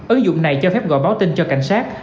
ứng dụng này cho phép gọi báo tin cho cảnh sát